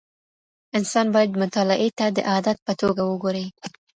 انسان باید مطالعې ته د عادت په توګه وګوري.